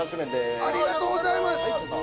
ありがとうございます！